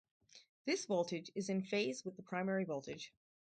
This voltage is in phase with the primary voltage.